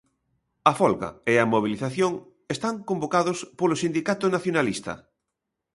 A folga e a mobilización están convocados polo sindicato nacionalista.